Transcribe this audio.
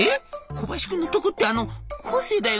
小林君のとこってあのコーセーだよね？」。